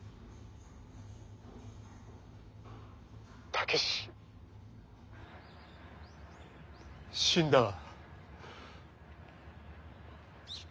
武志死んだわ。